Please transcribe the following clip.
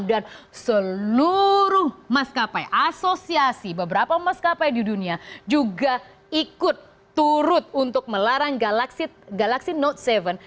dan seluruh mas kapai asosiasi beberapa mas kapai di dunia juga ikut turut untuk melarang galaxy note tujuh